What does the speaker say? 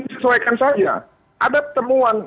disesuaikan saja ada temuan